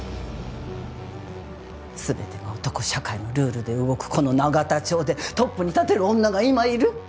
全てが男社会のルールで動くこの永田町でトップに立てる女が今いる？